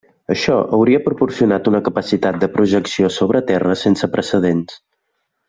Això hauria proporcionat una capacitat de projecció sobre terra sense precedents.